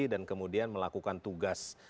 dan kemudian melakukan tugas